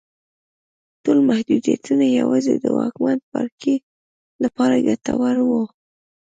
ټول محدودیتونه یوازې د واکمن پاړکي لپاره ګټور وو.